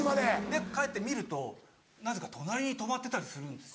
で帰って見るとなぜか隣に止まってたりするんです。